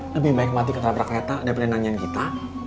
lebih baik mati ke telaprak kereta daripada nanyaan kita